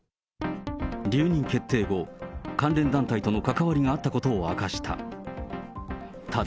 留任決定後、関連団体との関わりがあったことを明かした。